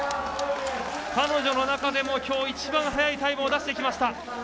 彼女の中でもきょう一番速いタイムを出してきました。